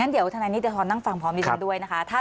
ก็เท่านั้นท่านอน้องฟังด้วยนะคะ